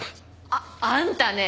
ああんたね